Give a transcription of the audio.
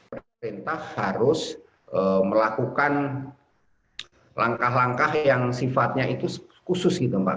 pemerintah harus melakukan langkah langkah yang sifatnya itu khusus gitu mbak